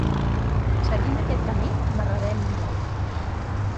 Seguint aquest camí marrarem molt.